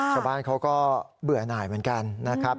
ชาวบ้านเขาก็เบื่อหน่ายเหมือนกันนะครับ